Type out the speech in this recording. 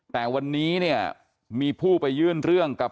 แต่วันนี้เนี่ยมีผู้ไปยื่นเรื่องกับ